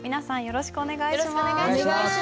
よろしくお願いします。